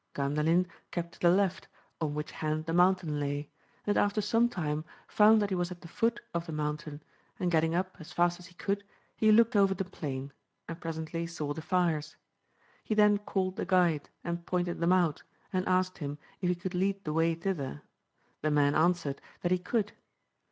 Gandalin kept to the left, on which hand the mountain lay, and after some time found that he was at the foot of the moun tain, and getting up as fast as he could he looked over the plain, and presently saw the fires ; he then called the guide, and pointed them out, and asked him if he could lead the way thither; the man answered that he could.